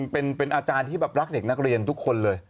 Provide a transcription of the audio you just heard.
เป็นอาจารย์ที่แบบรักเด็กนักเรียนทุกคนเลย